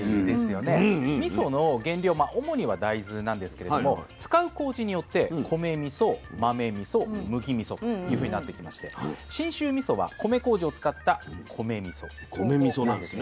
主には大豆なんですけれども使うこうじによって米みそ豆みそ麦みそというふうになってきまして信州みそは米こうじを使った米みそなんです。